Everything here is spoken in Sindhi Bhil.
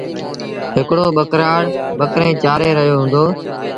هڪڙو ٻڪرآڙ ٻڪريݩ چآري رهيو هُݩدو۔